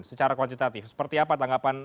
secara kuantitatif seperti apa tanggapan